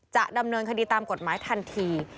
จะดำเนินคดีตามกฎหมายทันที